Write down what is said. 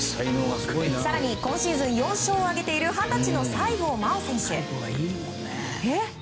更に今シーズン４勝を挙げている二十歳の西郷真央選手。